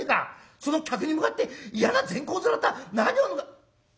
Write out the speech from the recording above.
その客に向かって嫌な善公面とは何をぬか」。